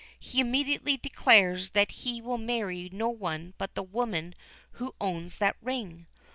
He immediately declares that he will marry no one but the woman who owns that ring.